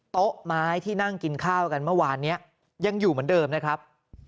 โต๊ะไม้ที่นั่งกินข้าวกันเมื่อวานนี้ยังอยู่เหมือนเดิมนะครับ